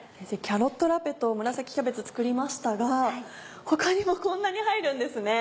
キャロットラペと紫キャベツ作りましたが他にもこんなに入るんですね。